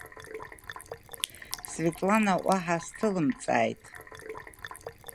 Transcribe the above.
Светлана уаҳа сҭылымҵааит.